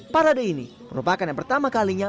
parade ini merupakan yang pertama kalinya